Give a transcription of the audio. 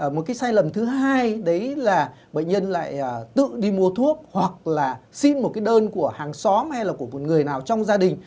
một cái sai lầm thứ hai đấy là bệnh nhân lại tự đi mua thuốc hoặc là xin một cái đơn của hàng xóm hay là của một người nào trong gia đình